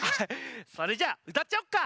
それじゃあうたっちゃおうか？